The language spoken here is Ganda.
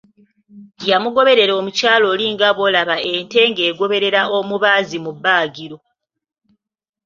Yamugoberera omukyala oli nga bwolaba ente ng'egoberera omubaazi mu bbaagiro!